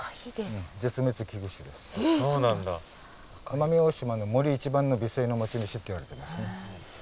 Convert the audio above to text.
奄美大島の森一番の美声の持ち主っていわれてますね。